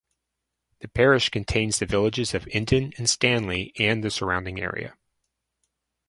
The parish contains the villages of Endon and Stanley and the surrounding area.